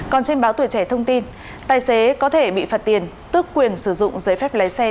còn trên báo tuổi trẻ thông tin tài xế có thể bị phạt tiền tước quyền sử dụng giấy phép lái xe